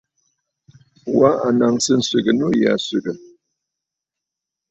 Wa a naŋsə nswegə nû yì aa swègə̀.